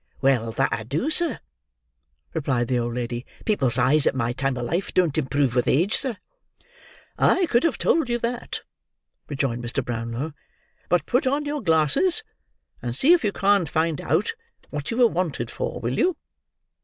"Well, that I do, sir," replied the old lady. "People's eyes, at my time of life, don't improve with age, sir." "I could have told you that," rejoined Mr. Brownlow; "but put on your glasses, and see if you can't find out what you were wanted for, will you?"